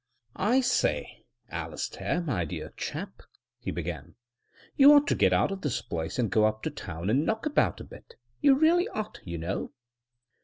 "I say, Alistair, my dear chap!" he began, "you ought to get out of this place and go up to Town and knock about a bit — you really ought, you know."